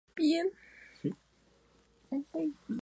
Conflictos que amenazaban con desestabilizar toda la región.